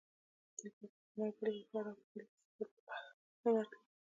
له دې پرته استعمار لپاره بل څه په لاس نه ورتلل.